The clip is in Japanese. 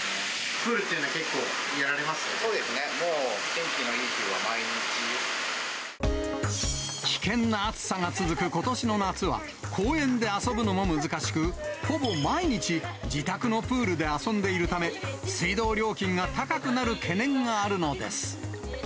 プールっていうのは結構やらそうですね、もう天気のいい危険な暑さが続くことしの夏は、公園で遊ぶのも難しく、ほぼ毎日、自宅のプールで遊んでいるため、水道料金が高くなる懸念があるのです。